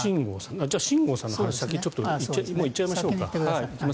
じゃあ秦剛さんの話行っちゃいましょうか。